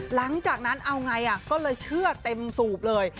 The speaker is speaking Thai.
หลังจากนั้นเอาไงก็เลยเชื่อเต็มสูบเลย